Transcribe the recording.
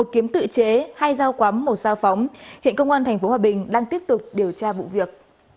một kiếm tự chế hai dao quắm một dao phóng hiện công an tp hòa bình đang tiếp tục điều tra vụ việc